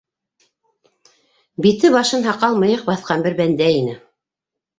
Бите-башын һаҡал-мыйыҡ баҫҡан бер бәндә ине.